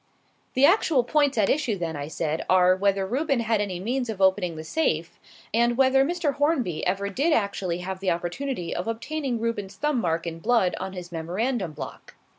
"The actual points at issue, then," I said, "are, whether Reuben had any means of opening the safe, and whether Mr. Hornby ever did actually have the opportunity of obtaining Reuben's thumb mark in blood on his memorandum block."